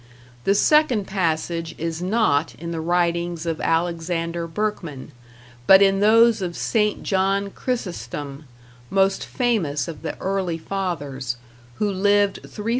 The second passage is not in the writings of Alexander Berkman, but in those of St. John Chrysostom, most famous of the early fathers, who lived 374 407.